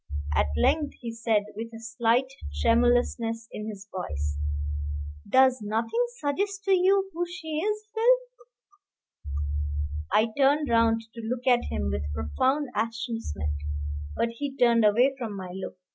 At length he said, with a slight tremulousness in his voice, "Does nothing suggest to you who she is, Phil?" I turned round to look at him with profound astonishment, but he turned away from my look.